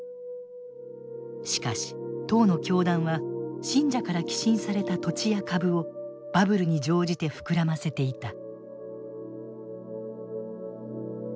しかし当の教団は信者から寄進された土地や株をバブルに乗じて膨らませていた。